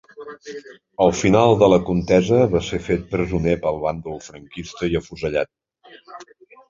Al final de la contesa va ser fet presoner pel bàndol franquista i afusellat.